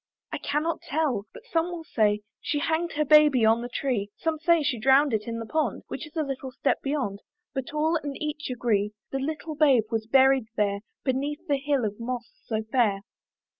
I cannot tell; but some will say She hanged her baby on the tree, Some say she drowned it in the pond, Which is a little step beyond, But all and each agree, The little babe was buried there, Beneath that hill of moss so fair.